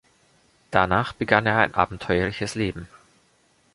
Danach begann er ein abenteuerliches Leben.